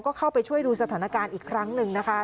ก็เข้าไปช่วยดูสถานการณ์อีกครั้งหนึ่งนะคะ